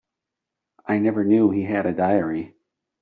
I never knew he had a diary.